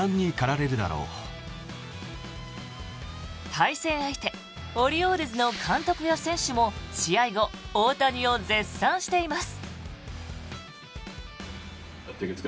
対戦相手、オリオールズの監督や選手も試合後、大谷を絶賛しています。